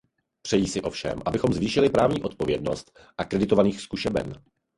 Přejí si ovšem, abychom zvýšili právní odpovědnost akreditovaných zkušeben.